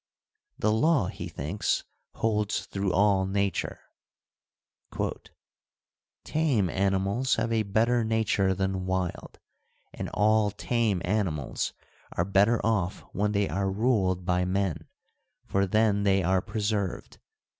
The law, he thinks, holds through all nature : Tame animals have a better nature than wild, and all tame animals are better off when they are ruled by men, for then they are preserved.